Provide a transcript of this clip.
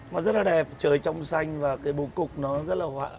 mà rất là đẹp trời trong xanh và cái bồ cục nó rất là họa